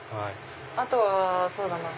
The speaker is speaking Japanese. あとはそうだな。